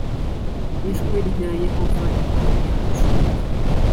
ijwi rya yehova imana yacu